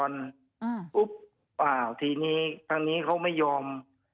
ถ้าทางนี้เขาไม่ยอม